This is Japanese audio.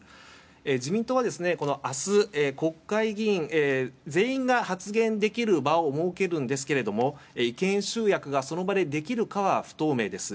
自民党は明日、国会議員全員が発言できる場を設けるんですけど意見集約がその場でできるかは不透明です。